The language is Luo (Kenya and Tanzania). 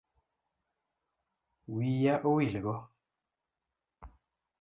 Wiya owil go